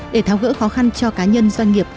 để tháo gỡ khó khăn cho cá nhân doanh nghiệp